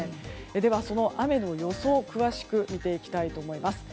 ではその雨の予想を詳しく見ていきたいと思います。